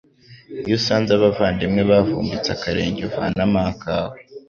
Iyo usanze abavandimwe bavumbitse akarenge uvanamo akawe